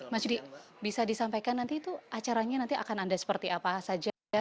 mas yudi bisa disampaikan nanti itu acaranya nanti akan ada seperti apa saja ya